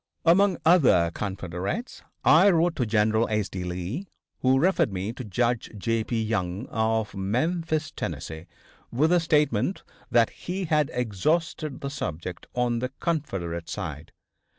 Among other Confederates, I wrote to General S.D. Lee, who referred me to Judge J.P. Young, of Memphis Tennessee, with the statement that he had exhausted the subject on the Confederate side.